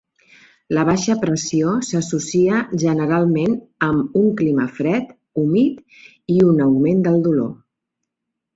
La baixa pressió s'associa, generalment, amb un clima fred, humit i un augment del dolor.